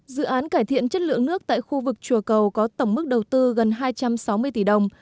dự án cải thiện chất lượng nước tại khu vực chùa cầu có tổng mức đầu tư gần hai trăm sáu mươi tỷ đồng